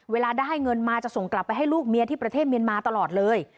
เวลาได้เงินมาจะส่งกลับไปให้ลูกเมียที่ประเทศเมียนมาตลอดเลย